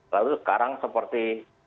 lalu sekarang seperti